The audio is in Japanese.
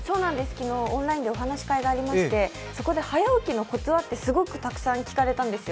昨日、オンラインでお話会がありまして、そこで早起きのコツは？ってすごくたくさん聞かれたんですよ。